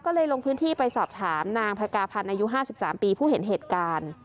ก็เลยลงพื้นที่ไปสอบถามนางพระกาภัณฑ์อายุห้าสิบสามปีผู้เห็นเหตุการณ์